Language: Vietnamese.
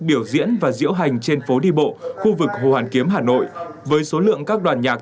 biểu diễn và diễu hành trên phố đi bộ khu vực hồ hoàn kiếm hà nội với số lượng các đoàn nhạc